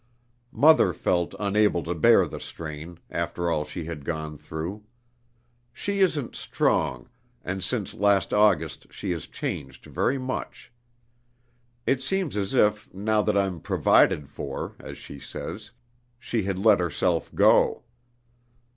Mother felt unable to bear the strain, after all she had gone through. She isn't strong, and since last August she has changed very much. It seems as if, now that I'm 'provided for' (as she says), she had let herself go.